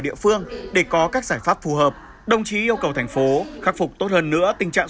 địa phương để có các giải pháp phù hợp đồng chí yêu cầu thành phố khắc phục tốt hơn nữa tình trạng